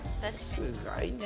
すごいね。